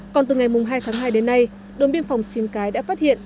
còn từ ngày hai tháng hai đến nay đồn biên phòng xin cái đã phát hiện